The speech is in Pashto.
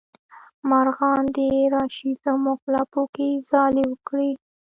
مارغان دې راشي زمونږ لپو کې ځالې وکړي